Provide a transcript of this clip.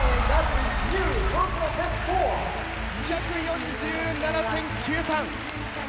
２４７．９３！